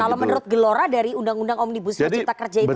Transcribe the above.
kalau menurut gelora dari undang undang omnibus kecerdaan kerja itu bagaimana